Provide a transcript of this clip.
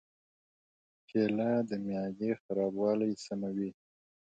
کېله د معدې خرابوالی سموي.